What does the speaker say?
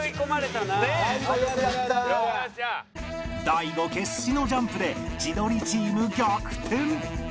大悟決死のジャンプで千鳥チーム逆転！